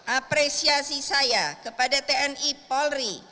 apresiasi saya kepada tni polri